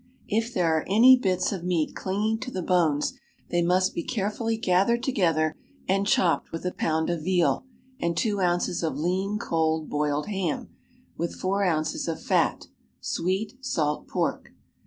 If there are any bits of meat clinging to the bones they must be carefully gathered together and chopped with a pound of veal and two ounces of lean cold boiled ham, with four ounces of fat, sweet, salt pork.